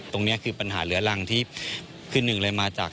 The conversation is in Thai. ตรงนี้คือปัญหาเหลือรังที่คือหนึ่งเลยมาจาก